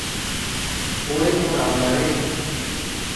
ওরে মোর আল্লাহ রে।